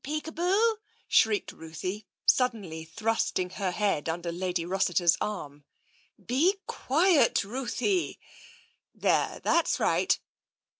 Peekaboo !" shrieked Ruthie, suddenly thrusting her head under Lady Rossiter*s arm. " Be quiet, Ruthie. There, that's right."